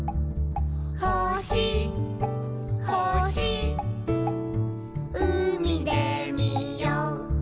「ほしほしうみでみよう」